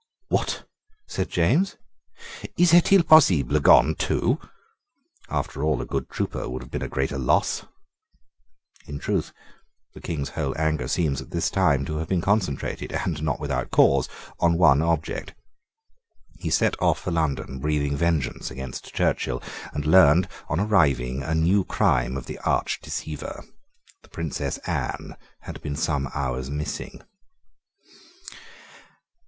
"What!" said James, "is Est il possible gone too? After all, a good trooper would have been a greater loss." In truth the King's whole anger seems, at this time, to have been concentrated, and not without cause, on one object. He set off for London, breathing vengeance against Churchill, and learned, on arriving, a new crime of the arch deceiver. The Princess Anne had been some hours missing.